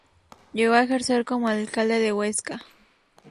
Llegó a ejercer como alcalde de Huesca.